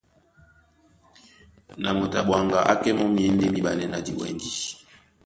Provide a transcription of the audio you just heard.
Na moto a ɓwaŋga á kɛ́ mɔ́ myěndé míɓanɛ́ na diwɛndi.